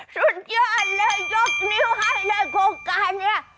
สุดยอดเลยยกนิ้วให้เลยโครงการนี้